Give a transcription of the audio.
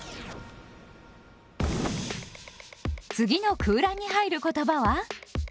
次の空欄に入る言葉は？